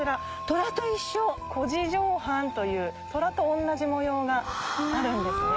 トラと一緒！というトラと同じ模様があるんですね。